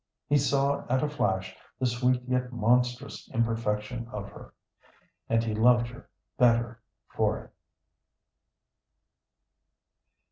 He saw at a flash the sweet yet monstrous imperfection of her, and he loved her better for it.